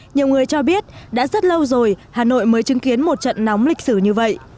nhiều người cho biết đã rất lâu rồi hà nội mới chứng kiến một trận nóng lịch sử như vậy